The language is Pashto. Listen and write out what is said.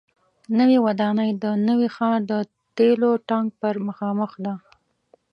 نوې ودانۍ د نوي ښار د تیلو ټانک پر مخامخ ده.